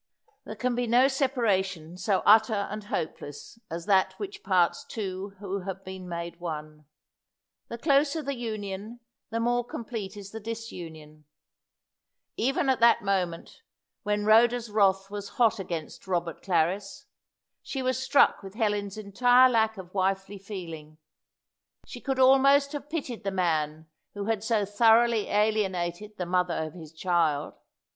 There can be no separation so utter and hopeless as that which parts two who have been made one. The closer the union, the more complete is the disunion. Even at that moment, when Rhoda's wrath was hot against Robert Clarris, she was struck with Helen's entire lack of wifely feeling. She could almost have pitied the man who had so thoroughly alienated the mother of his child.